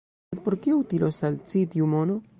Sed por kio utilos al ci tiu mono?